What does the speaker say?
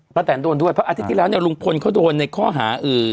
แตนโดนด้วยเพราะอาทิตย์ที่แล้วเนี่ยลุงพลเขาโดนในข้อหา